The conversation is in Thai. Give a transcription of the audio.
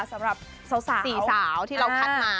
สำหรับสาว๔สาวที่เราคัดมา